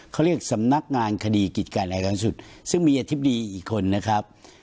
เขาเรียกสำนักงานคดีกิจการรายการสุดซึ่งมีอธิบดีอีกคนนะครับ